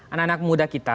anak anak muda kita